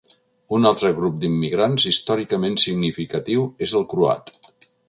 Un altre grup d'immigrants històricament significatiu és el croat.